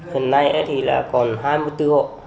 hôm nay thì là còn hai mươi bốn hộ